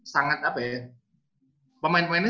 sangat apa ya pemain pemainnya